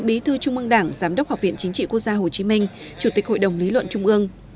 bí thư trung mương đảng giám đốc học viện chính trị quốc gia hồ chí minh chủ tịch hội đồng lý luận trung ương